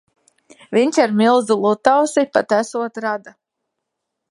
Viņš ar milzi Lutausi pat esot rada.